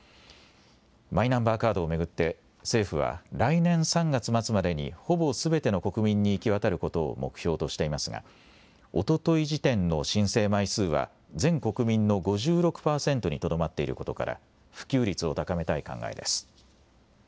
マイナンバーカードを巡って、政府は来年３月末までにほぼすべての国民に行き渡ることを目標としていますが、おととい時点の申請枚数は全国民の５６％にとどまっていることから、普及率を高めたい考えです。